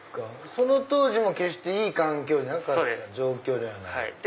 その当時も決していい環境の状況ではない。